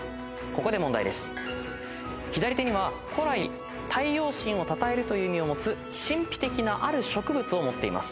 左手には古来太陽神をたたえる意味を持つ神秘的なある植物を持っています。